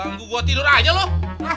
tunggu gue tidur aja loh